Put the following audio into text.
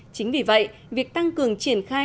chính vì vậy việc tăng cường triển khai